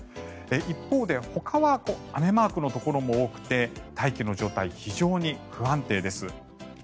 一方で、ほかは雨マークのところも多くて大気の状態、非常に不安定です。